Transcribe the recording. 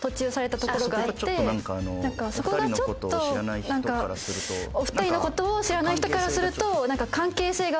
そこがちょっとなんかお二人の事を知らない人からすると関係性が。